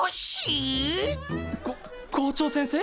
こ校長先生